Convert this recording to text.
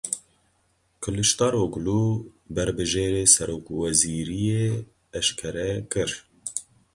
Kiliçdaroglu berbijêrê serokwezîriyê eşkere kir.